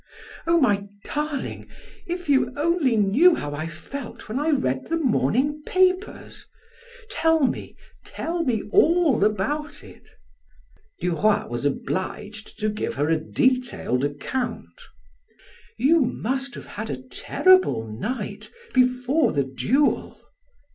"Oh, my darling, if you only knew how I felt when I read the morning papers! Tell me, tell me all about it." Duroy was obliged to give her a detailed account. "You must have had a terrible night before the duel!"